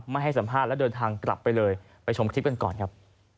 ไม่ให้สัมภาษณ์แล้วเดินทางกลับไปเลยไปชมคลิปกันก่อนครับ